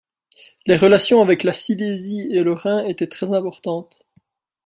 Les relations avec la Silésie et le Rhin étaient très importantes.